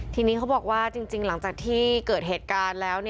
ทีนี้เขาบอกว่าจริงหลังจากที่เกิดเหตุการณ์แล้ว